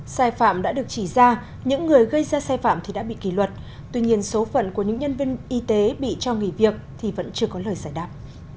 sai phạm đã được chỉ ra những người gây ra sai phạm thì đã bị kỷ luật tuy nhiên số phận của những nhân viên y tế bị cho nghỉ việc thì vẫn chưa có lời giải đáp